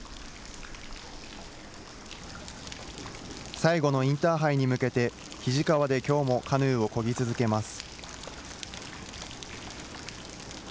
最後のインターハイに向けて、肱川できょうもカヌーをこぎ続けます。